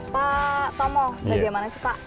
pak tomo bagaimana sih pak